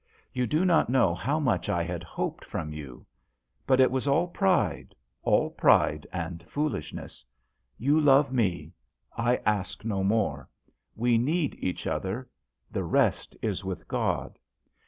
You do not know how much I had hoped from you ; but it was all pride all pride and foolishness. You love me. I ask no more. We need each other ; the rest is with God."